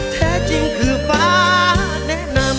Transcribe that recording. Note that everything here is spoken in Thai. แท้จริงคือฟ้าแนะนำ